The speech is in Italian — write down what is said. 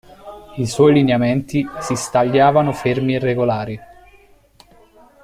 I suoi lineamenti si stagliavano fermi e regolari.